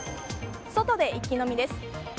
外で一気飲みです。